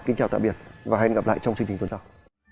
kính chào tạm biệt và hẹn gặp lại trong chương trình tuần sau